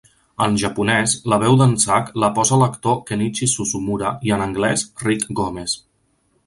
En japonès la veu d'en Zack la posa l'actor Kenichi Suzumura i en anglès, Rick Gomez.